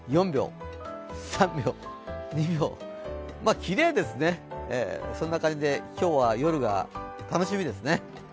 まあ、きれいですね、そんな感じで、今日は夜が楽しみですね。